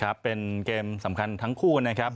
ครับเป็นเกมสำคัญทั้งคู่นะครับ